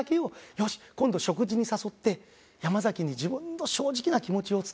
よし今度食事に誘って山崎に自分の正直な気持ちを伝えよう。